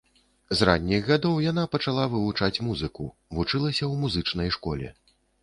З ранніх гадоў яна пачала вывучаць музыку, вучылася ў музычнай школе.